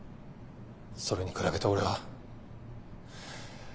それに比べて俺は。